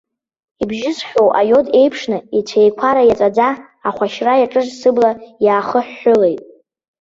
Ибжьысхьоу аиод еиԥшны, ицәеиқәара-иаҵәаӡа, ахәашьра иаҿыз сыбла иаахыҳәҳәылеит.